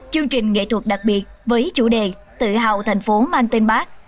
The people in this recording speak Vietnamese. chương trình nghệ thuật đặc biệt với chủ đề tự hào thành phố mang tên bác